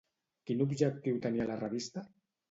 Quin objectiu tenia la revista?